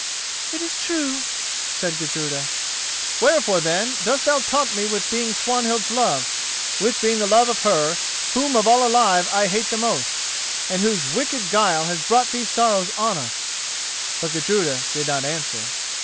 "That is true," said Gudruda. "Wherefore, then, dost thou taunt me with being Swanhild's love—with being the love of her whom of all alive I hate the most—and whose wicked guile has brought these sorrows on us?" But Gudruda did not answer.